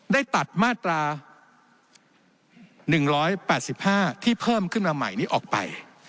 ได้ตัดมาตรา๑๘๕ที่เพิ่มขึ้นมาใหม่นี้ออกไป